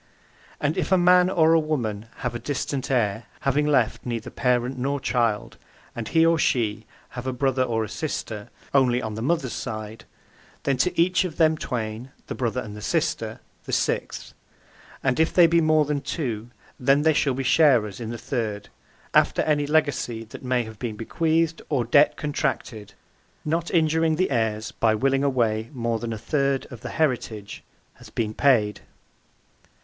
And if a man or a woman have a distant heir (having left neither parent nor child), and he (or she) have a brother or a sister (only on the mother's side) then to each of them twain (the brother and the sister) the sixth, and if they be more than two, then they shall be sharers in the third, after any legacy that may have been bequeathed or debt (contracted) not injuring (the heirs by willing away more than a third of the heritage) hath been paid.